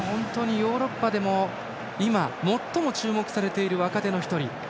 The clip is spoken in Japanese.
ヨーロッパでも今、最も注目されている若手の１人。